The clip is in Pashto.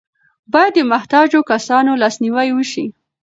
باید د محتاجو کسانو لاسنیوی وشي.